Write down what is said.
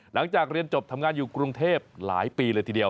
หลังจากเรียนจบทำงานอยู่กรุงเทพหลายปีเลยทีเดียว